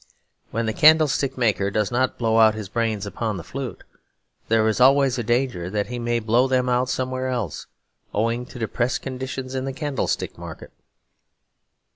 When the candlestick maker does not blow out his brains upon the flute there is always a danger that he may blow them out somewhere else, owing to depressed conditions in the candlestick market.